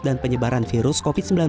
dan penyebaran virus covid sembilan belas